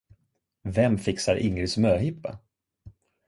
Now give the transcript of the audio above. Vem fixar Ingrids möhippa?